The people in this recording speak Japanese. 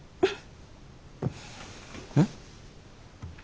えっ？